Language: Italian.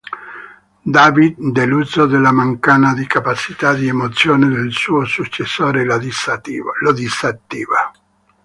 David, deluso della mancanza di capacità di emozione del suo successore, lo disattiva.